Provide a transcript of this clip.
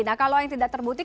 nah kalau yang tidak terbukti